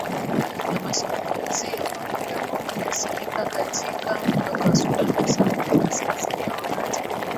na mashabulizi ya bomu yasikika katika mpaka wa sudan kusini na kaskazini ya wakati